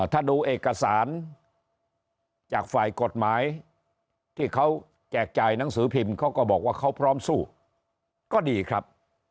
ถ้าดูเอกสารจากฝ่ายกฎหมายที่เขาแจกจ่ายหนังสือพิมพ์เขาก็บอกว่าเขาพร้อมสู้ก็ดีครับ